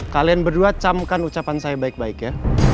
kalian berdua camkan ucapan saya baik baik ya